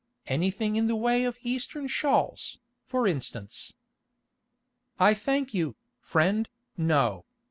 Anything in the way of Eastern shawls, for instance?" "I thank you, friend, no.